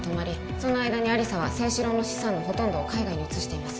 その間に亜理紗は征四郎の資産のほとんどを海外に移しています